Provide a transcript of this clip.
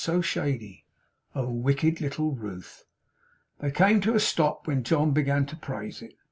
'So shady!' Oh wicked little Ruth! They came to a stop when John began to praise it.